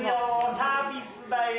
サービスだよ。